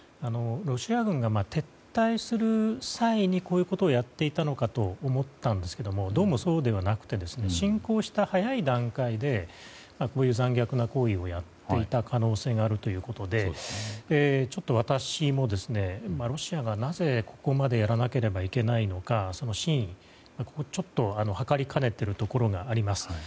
ロシア軍が撤退する際にこういうことをやっていたのかと思ったんですがどうもそうではなくて侵攻した早い段階でこういう残虐な行為をやっていた可能性があるということでちょっと私もロシアがなぜここまでやらなければならないのかその真意、図りかねているところがあります。